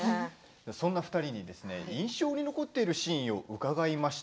そんな２人に印象に残っているシーンを伺いました。